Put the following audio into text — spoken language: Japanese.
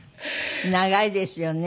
長いですよね。